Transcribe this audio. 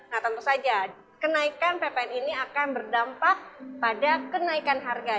nah tentu saja kenaikan ppn ini akan berdampak pada kenaikan harga